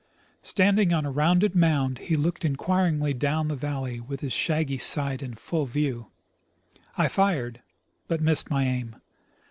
Standing on a rounded mound he looked inquiringly down the valley, with his shaggy side in full view. I fired — but missed my aim.